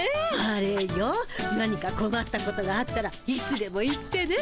あれよ何かこまったことがあったらいつでも言ってね。